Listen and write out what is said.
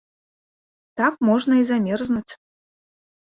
Так можна і замерзнуць.